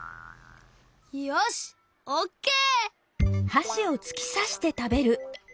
よしっオッケー！